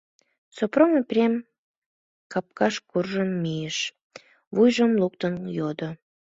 Сопром Епрем капкаш куржын мийыш, вуйжым луктын йодо: